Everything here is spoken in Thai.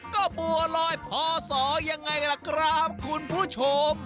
ก็บัวลอยพอสอยังไงล่ะครับคุณผู้ชม